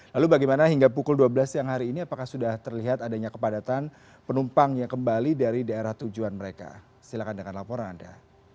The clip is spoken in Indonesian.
lalu bagaimana hingga pukul dua belas siang hari ini apakah sudah terlihat adanya kepadatan penumpang yang kembali dari daerah tujuan mereka silahkan dengan laporan anda